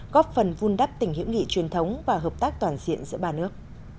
góp phần vun đắp tỉnh hữu nghị truyền thống và hợp tác toàn diện giữa ba nước